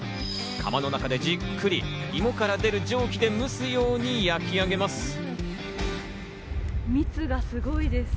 釜の中でじっくりいもから出る蒸気で蒸すように焼き上げます。